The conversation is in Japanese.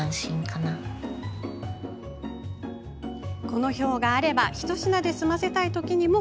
この表があれば一品で済ませたいときにも